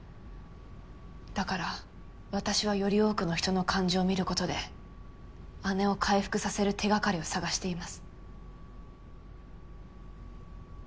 だから私はより多くの人の感情を見ることで姉を回復させる手掛かりを探しています。